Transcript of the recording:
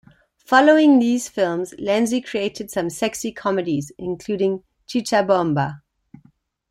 Following these films, Lenzi created some sexy comedies, including "Cicciabomba".